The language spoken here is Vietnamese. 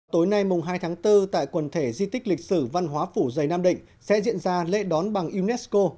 tối nay mùng hai tháng bốn tại quần thể di tích lịch sử văn hóa phủ dây nam định sẽ diễn ra lễ đón bằng unesco